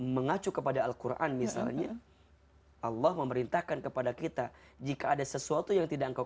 macu kepada alquran misalnya allah memerintahkan kepada kita jika ada sesuatu yang tidak kau